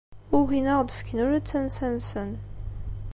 Ugin ad aɣ-d-fken ula d tansa-nsen.